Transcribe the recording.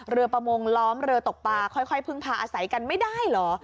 ประมงล้อมเรือตกปลาค่อยพึ่งพาอาศัยกันไม่ได้เหรอ